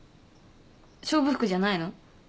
勝負服じゃないの？